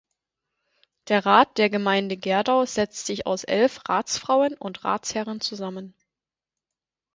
Der Rat der Gemeinde Gerdau setzt sich aus elf Ratsfrauen und Ratsherren zusammen.